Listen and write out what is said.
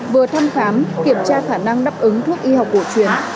vừa thăm khám kiểm tra khả năng đáp ứng thuốc y học cổ truyền